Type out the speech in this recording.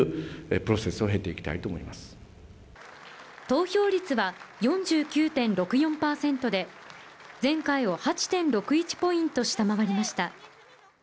投票率は４９．６４％で、前回を８．６１ポイント下回りました。